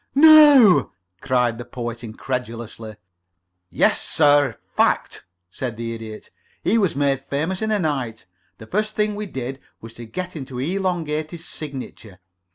"No!" cried the Poet, incredulously. "Yes, sir. Fact!" said the Idiot. "He was made famous in a night. The first thing we did was to get him to elongate his signature.